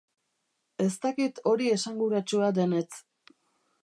Ez dakit hori esanguratsua denetz.